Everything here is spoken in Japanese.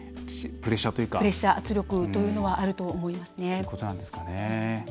プレッシャー圧力というのはあると思います。